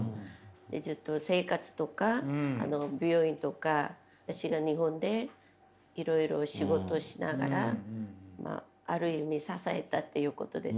ずっと生活とか病院とか私が日本でいろいろ仕事しながらある意味支えたっていうことですね。